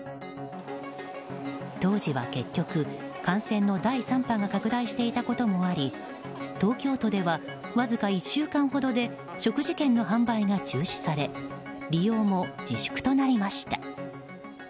当時は結局、感染の第３波が拡大していたこともあり東京都ではわずか１週間ほどで食事券の販売が中止され利用も自粛となりました。